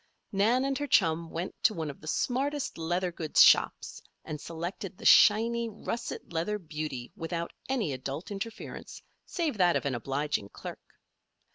Nan and her chum went to one of the smartest leather goods shops and selected the shiny, russet leather beauty without any adult interference save that of an obliging clerk.